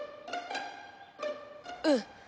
うん。